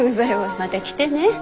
また来てね。